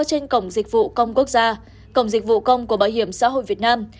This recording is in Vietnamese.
trên cổng dịch vụ công quốc gia cổng dịch vụ công của bảo hiểm xã hội việt nam